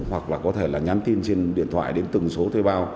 hoặc là có thể là nhắn tin trên điện thoại đến từng số thuê bao